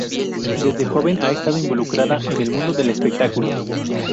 Desde joven ha estado involucrada en el mundo del espectáculo.